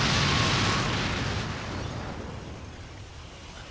あっ？